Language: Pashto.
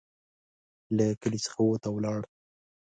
له کلي څخه ووت او ولاړ.